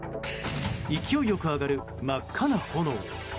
勢い良く上がる真っ赤な炎。